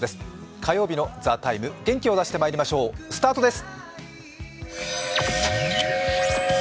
火曜日の「ＴＨＥＴＩＭＥ，」、元気を出していきましょう、スタートです。